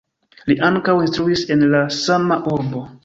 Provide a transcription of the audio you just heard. Li ankaŭ instruis en la sama urbo.